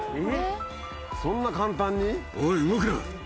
そんな簡単に？